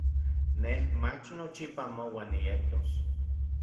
Nej, mach nochipa anmouan nietos.